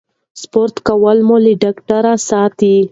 سپورت کول مو له ډاکټره ساتي.